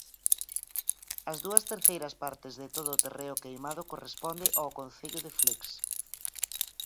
As dúas terceira partes de todo o terreo queimado corresponde ao concello de Flix.